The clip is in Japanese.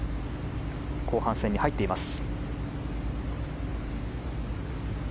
後半戦に入っています。